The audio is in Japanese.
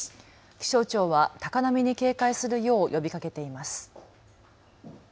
気象庁は高波に警戒するよう呼びかけています。